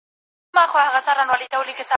اباسین پر څپو راغی را روان دی غاړي غاړي